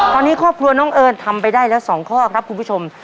ตอนนี้ครอบครัวน้องเอิญทำไปได้แล้ว๒ข้อครับคุณผู้ชม